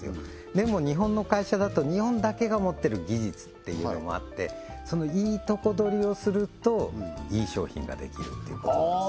でも日本の会社だと日本だけが持ってる技術っていうのもあってそのいいとこ取りをするといい商品ができるっていうことです